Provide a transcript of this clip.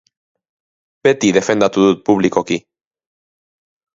Beti defendatu dut publikoki.